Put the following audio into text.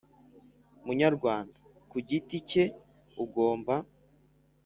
Munyarwanda ku giti cye ugomba